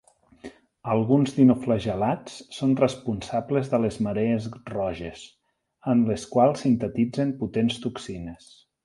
Alguns dinoflagel·lats són responsables de les marees roges, en les quals sintetitzen potents toxines.